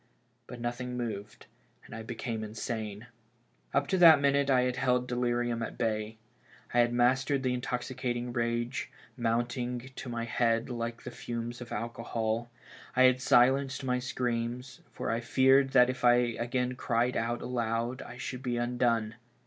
But nothing moved, and I became insane. Up to that minute I had held delirium at bay. I had mastered tlie intoxicating rage, mounting to my head like the fames of alcohol ; I had silenced my screams, for I feared that if I again cried out aload I should be undone.